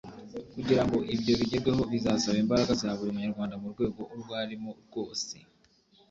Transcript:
Kugira ngo ibyo bigerweho bizasaba imbaraga za buri Munyarwanda mu rwego urwo arimo rwose